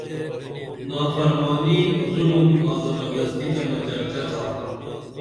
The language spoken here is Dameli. نافرمانی ظُلُم آں زبردستی تہ بہ چرچہ تھا